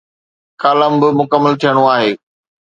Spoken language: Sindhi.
ڪالم به مڪمل ٿيڻو آهي.